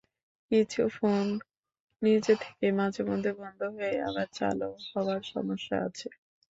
কিছু ফোন নিজে থেকেই মাঝেমধ্যে বন্ধ হয়ে আবার চালু হওয়ার সমস্যা আছে।